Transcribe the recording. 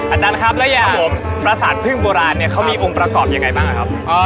อาจารย์ครับแล้วอย่างผมประสาทพึ่งโบราณเนี่ยเขามีองค์ประกอบยังไงบ้างครับ